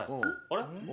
あれ？